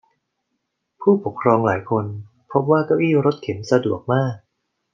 ผู้ปกครองหลายคนพบว่าเก้าอี้รถเข็นสะดวกมาก